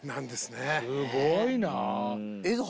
すごいなあ。